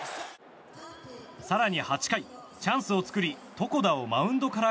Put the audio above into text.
更に８回、チャンスを作り床田をマウンドから